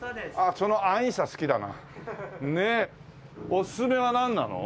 おすすめはなんなの？